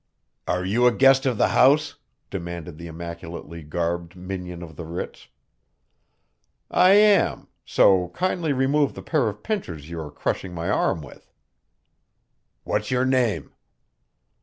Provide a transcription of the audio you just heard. "Are you a guest of the house?" demanded the immaculately garbed minion of the Ritz. "I am, so kindly remove the pair of pincers you are crushing my arm with." "What's your name?"